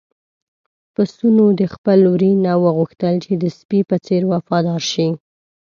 پسونو د خپل وري نه وغوښتل چې د سپي په څېر وفادار شي.